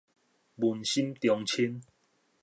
文心中清